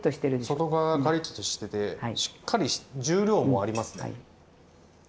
外側がカリッとしててしっかり重量もありますね。